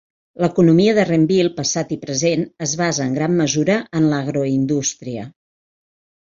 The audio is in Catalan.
L'economia de Renville, passat i present, es basa en gran mesura en l'agroindústria.